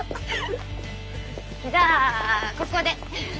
じゃあここで。